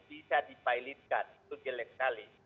bisa dipilotkan itu jelek sekali